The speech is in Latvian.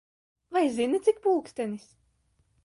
Vai zini, cik pulkstenis?